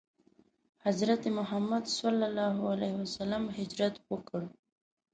حضرت محمد ﷺ هجرت وکړ.